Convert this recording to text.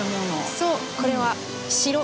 そうこれは城。